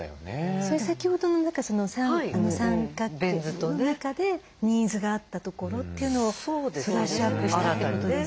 それ先ほどの三角形の中でニーズがあったところというのをブラッシュアップしたってことですよね。